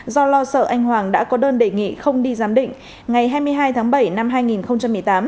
do lo sợ anh hoàng đã có đơn đề nghị không đi giám định ngày hai mươi hai tháng bảy năm hai nghìn một mươi tám